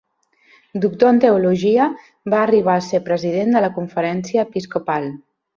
Doctor en Teologia, va arribar a ser president de la conferència episcopal.